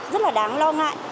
rất là đáng lo ngại